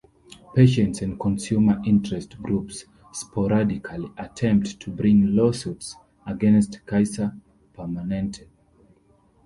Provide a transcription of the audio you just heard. Patients and consumer interest groups sporadically attempt to bring lawsuits against Kaiser Permanente.